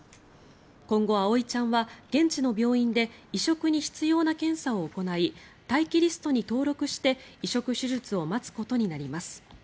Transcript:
今後、葵ちゃんは現地の病院で移植に必要な検査を行い待機リストに登録して移植手術を待つことになります。